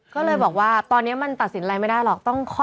ก็เลยบอกว่าตอนนี้มันตัดสินอะไรไม่ได้หรอก